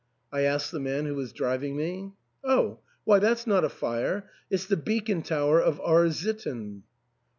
" I asked the man who was driving me. " Oh ! why, that's not a fire ; it*s the beacon tower of R — sitten."